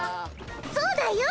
そうだよ